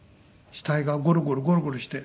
死体がゴロゴロゴロゴロして。